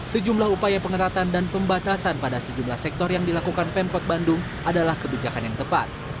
sejumlah upaya pengetatan dan pembatasan pada sejumlah sektor yang dilakukan pemkot bandung adalah kebijakan yang tepat